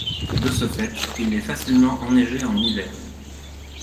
De ce fait, il est facilement enneigé en hiver.